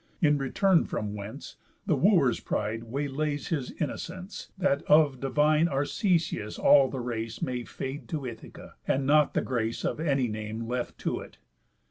In return from whence, The Wooers' pride way lays his innocence, That of divine Arcesius all the race May fade to Ithaca, and not the grace Of any name left to it.